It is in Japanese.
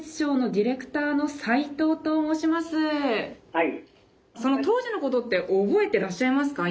はい。